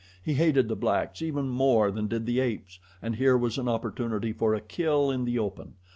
He hated the blacks even more than did the apes, and here was an opportunity for a kill in the open.